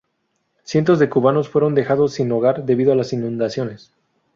Cientos de cubanos fueron dejados sin hogar debido a las inundaciones.